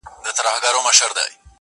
• کرۍ ورځ توري ګولۍ وې چلېدلې -